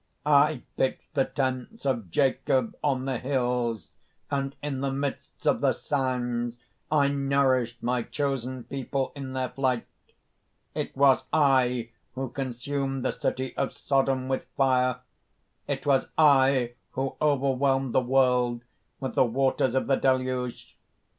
I pitched the tents of Jacob on the hills; and in the midst of the sands I nourished my chosen people in their flight. "It was I who consumed the city of Sodom with fire! It was I who overwhelmed the world with the waters of the Deluge!